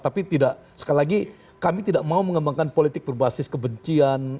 tapi tidak sekali lagi kami tidak mau mengembangkan politik berbasis kebencian